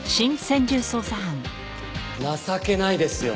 情けないですよ。